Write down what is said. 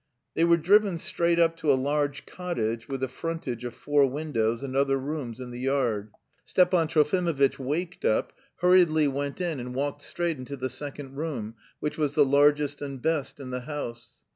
They were driven straight up to a large cottage with a frontage of four windows and other rooms in the yard. Stepan Trofimovitch waked up, hurriedly went in and walked straight into the second room, which was the largest and best in the house.